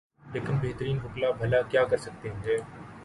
لیکن بہترین وکلا بھلا کیا کر سکتے تھے۔